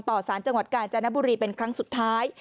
สารจังหวัดกาญจนบุรีเป็นครั้งสุดท้าย